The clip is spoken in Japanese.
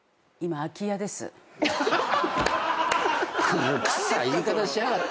古くさい言い方しやがって。